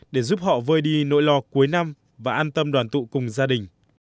để giúp họ vơi đi nỗi lo cuối năm và an tâm đoàn tụ cùng gia đình